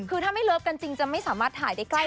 คือถ้าไม่เลิฟกันจริงจะไม่สามารถถ่ายได้ใกล้